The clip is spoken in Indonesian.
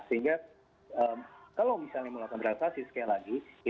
sebenarnya ini kita bicara mengenai perekonomian juga gitu ya